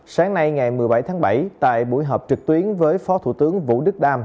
sáng nay ngày một mươi bảy tháng bảy tại buổi họp trực tuyến với phó thủ tướng vũ đức đam